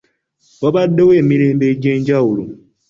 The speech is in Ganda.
Wabaddewo emirembe egy’enjawulo.